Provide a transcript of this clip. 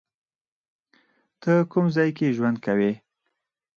ته کوم ځای کې ژوند کوی؟